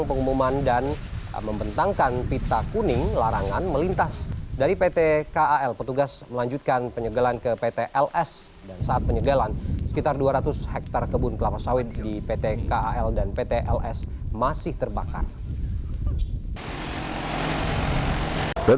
sekitar dua ratus hektare kebun kelapa sawit di pt kal dan pt ls masih terbakar